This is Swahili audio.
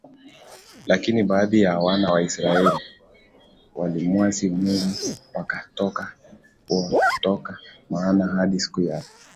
Lakini baadhi ya Wana wa Israeli walimwasi Mungu wakatoka kuokota Maana hadi siku ya